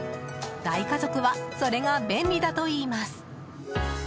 大家族はそれが便利だといいます。